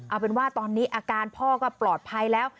เอาเป็นว่าตอนนี้อาการพ่อก็ปลอดภัยแล้ว